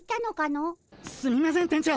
すみません店長。